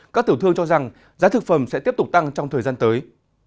các tiểu thương cho rằng giá thực phẩm sẽ tiếp tục tăng trong thời gian tới